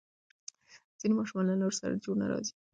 ځینې ماشومان له نورو سره جوړ نه راځي.